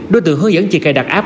đối tượng hướng dẫn chị cài đặt app